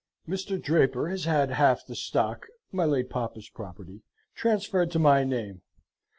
"Mr. Draper has had half the Stock, my late Papa's property, transferred to my name.